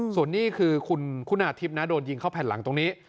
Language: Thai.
ส่วนนี่คือคุณคุณาธิบโดนยิงเข้าแผ่นหลังตรงนี้